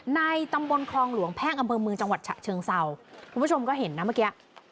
ในตำบลคลองหลวงแพ่งอำเภอเมืองจังหวัดฉะเชิงเศร้าคุณผู้ชมก็เห็นนะเมื่อกี้